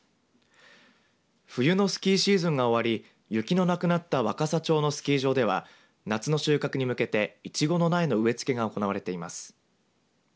冬のスキーシーズンが終わり雪のなくなった若桜町のスキー場では夏の収穫に向けていちごの苗の植え付けが行われています。